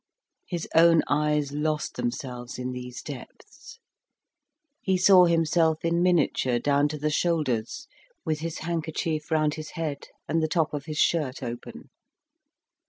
His own eyes lost themselves in these depths; he saw himself in miniature down to the shoulders, with his handkerchief round his head and the top of his shirt open.